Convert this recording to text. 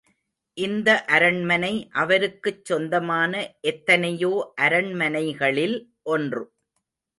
இந்த அரண்மனை அவருக்குச் சொந்தமான எத்தனையோ அரண்மனைகளில் ஒன்று.